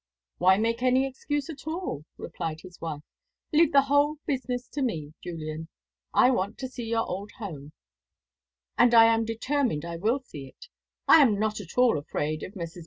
"Why make any excuse at all?" replied his wife. "Leave the whole business to me, Julian. I want to see your old home, and I am determined I will see it. I am not at all afraid of Messrs.